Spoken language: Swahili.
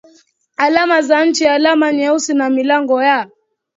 alama za nchi Alama nyeusi ni milango ya